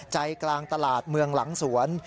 ใจกลางตลาดเมืองหลังสวน